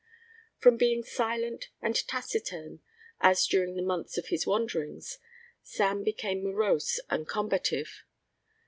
From being silent and taciturn, as during the months of his wanderings, Sam became morose and combative.